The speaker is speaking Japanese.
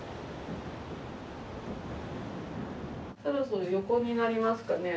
そろそろ横になりますかね。